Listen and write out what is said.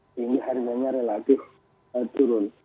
jadi harganya relatif turun